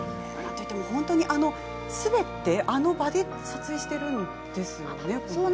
本当にすべてあの場で撮影しているんですよね。